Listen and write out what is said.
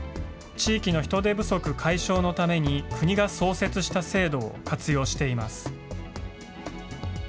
地域の人手不足解消のために国が創設した制度を活用しています。